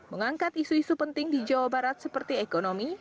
mengangkat isu isu penting di jawa barat seperti ekonomi